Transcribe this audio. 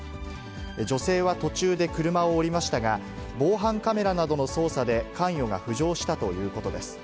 女性は途中で車を降りましたが、防犯カメラなどの捜査で関与が浮上したということです。